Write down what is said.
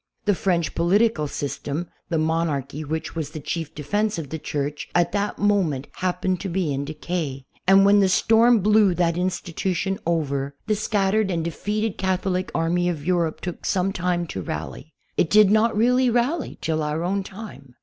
The French political system, the monarchy which was the chief defense of the Church, at that mo ment happened to be in decay, and when the storm blew that institution over, the scattered and defeated Catholic army .of Europe took some time to rally. It did not really rally till our own time.